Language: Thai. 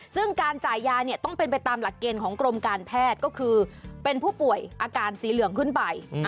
ซึ่งการจ่ายยาเนี่ยต้องเป็นไปตามหลักเกณฑ์ของกรมการแพทย์ก็คือเป็นผู้ป่วยอาการสีเหลืองขึ้นไป